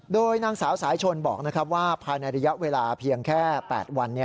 โดยนางสาวสายชนบอกว่าภายในระยะเวลาเพียงแค่๘วัน